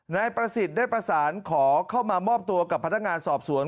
นายประสิทธิ์ได้ประสานขอเข้ามามอบตัวกับพนักงานสอบสวน